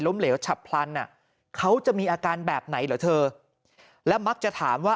เหลวฉับพลันอ่ะเขาจะมีอาการแบบไหนเหรอเธอและมักจะถามว่า